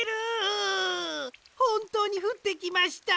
ほんとうにふってきました。